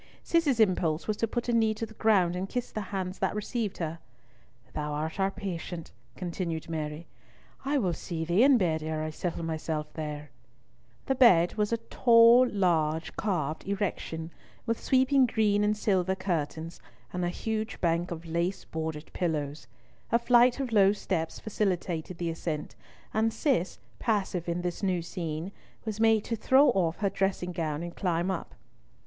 Cis's impulse was to put a knee to the ground and kiss the hands that received her. "Thou art our patient," continued Mary. "I will see thee in bed ere I settle myself there." The bed was a tall, large, carved erection, with sweeping green and silver curtains, and a huge bank of lace bordered pillows. A flight of low steps facilitated the ascent; and Cis, passive in this new scene, was made to throw off her dressing gown and climb up.